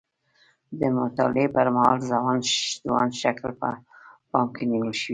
د مطالعې پر مهال ځوان شکل په پام کې نیول شوی.